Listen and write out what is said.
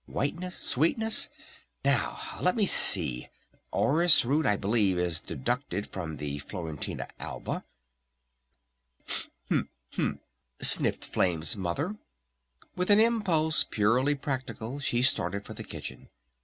Whiteness! Sweetness! Now let me see, orris root I believe is deducted from the Florentina Alba ." "U m m m," sniffed Flame's Mother. With an impulse purely practical she started for the kitchen.